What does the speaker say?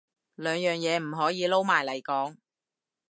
兩樣嘢唔可以撈埋嚟講